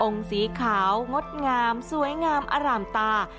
สีขาวงดงามสวยงามอร่ามตา